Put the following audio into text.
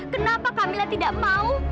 kenapa kamila tidak mau